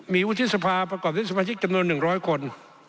มีอุทิศภาคมประกอบอุทิศภาคมจำนวน๑๐๐คน